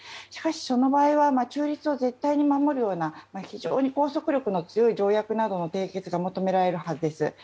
しかし、その場合は中立を絶対に守るような非常に拘束力の強い条約などの締結が求められるはずです。